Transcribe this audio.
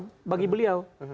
sangat firm bagi beliau